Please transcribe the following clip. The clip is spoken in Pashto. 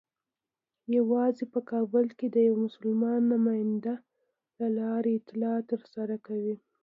یوازې په کابل کې د یوه مسلمان نماینده له لارې اطلاعات ترلاسه کوي.